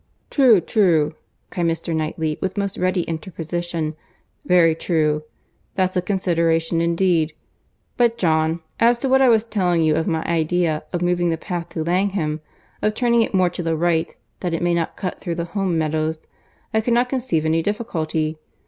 "True, true," cried Mr. Knightley, with most ready interposition—"very true. That's a consideration indeed.—But John, as to what I was telling you of my idea of moving the path to Langham, of turning it more to the right that it may not cut through the home meadows, I cannot conceive any difficulty.